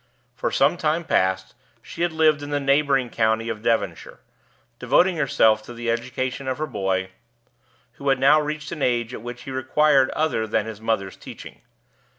For some time past she had lived in the neighboring county of Devonshire, devoting herself to the education of her boy, who had now reached an age at which he required other than his mother's teaching.